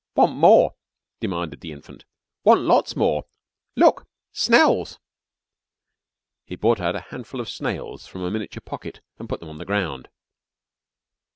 "Want more," demanded the infant. "Want lots more. Look. Snells!" He brought out a handful of snails from a miniature pocket, and put them on the ground.